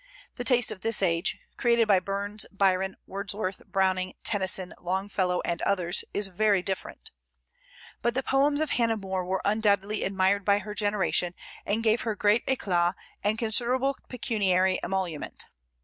The taste of this age created by Burns, Byron, Wordsworth, Browning, Tennyson, Longfellow, and others is very different. But the poems of Hannah More were undoubtedly admired by her generation, and gave her great éclat and considerable pecuniary emolument.